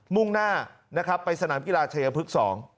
มุ่งหน้านะครับไปสนามกีฬาชายพฤกษ์๒